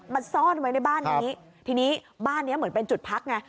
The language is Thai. ซ่อนไว้ในบ้านนี้ทีนี้บ้านเนี้ยเหมือนเป็นจุดพักไง